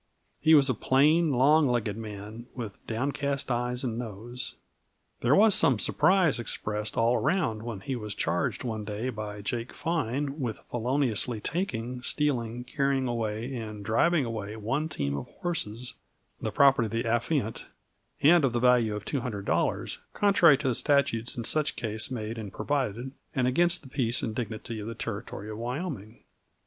He was a plain, long legged man, with downcast eyes and nose. There was some surprise expressed all around when he was charged one day by Jake Feinn with feloniously taking, stealing, carrying away and driving away one team of horses, the property of the affiant, and of the value of $200 contrary to the statutes in such case made and provided, and against the peace and dignity of the Territory of Wyoming.